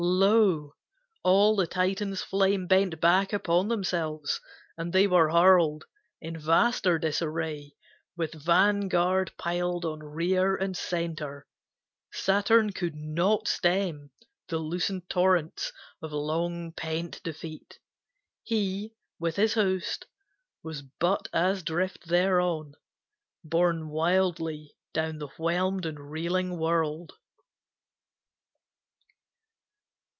Lo, all the Titans' flame Bent back upon themselves, and they were hurled In vaster disarray, with vanguard piled On rear and center. Saturn could not stem The loosened torrents of long pent defeat; He, with his host, was but as drift thereon, Borne wildly down the whelmed and reeling world.